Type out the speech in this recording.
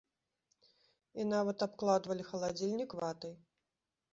І нават абкладвалі халадзільнік ватай!